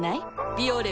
「ビオレ」